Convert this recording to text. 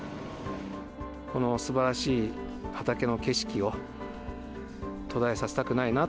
このすばらしい畑の景色を、途絶えさせたくないな。